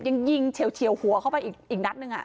ยังยิงเฉียวหัวเข้าไปอีกนัดหนึ่ง